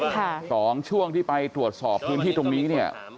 แต่ว่าตอนช่วงที่ไปตรวจสอบพื้นที่ตรงนี้